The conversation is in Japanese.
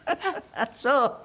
ああそう。